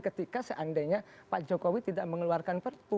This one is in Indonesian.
ketika seandainya pak jokowi tidak mengeluarkan perpu